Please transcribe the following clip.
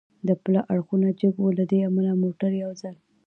د پله اړخونه جګ و، له دې امله موټر یو ځل.